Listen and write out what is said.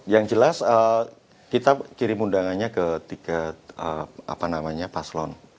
yang jelas kita kirim undangannya ketika paslon